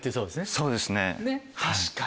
そうですねはい。